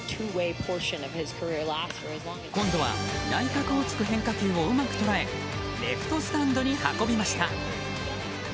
今度は内角を突く変化球をうまく捉えレフトスタンドに運びました。